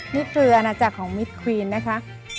นี่คืออาณาจักรของมิดควีนนะคะ